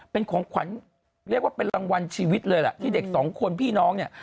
เป็นของขวัญเรียกว่าเป็นรางวัลชีวิตเลยล่ะที่เด็กสองคนพี่น้องเนี่ย